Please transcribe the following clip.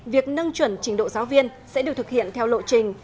việc nâng chuẩn trình độ giáo viên sẽ được thực hiện theo lộ trình